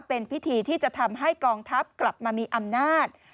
เป็นพิธีที่จะทำให้กองทัพกลับมามีอำนาจ